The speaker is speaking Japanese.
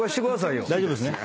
大丈夫ですね。